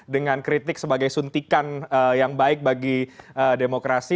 dengan kritik sebagai suntikan yang baik bagi demokrasi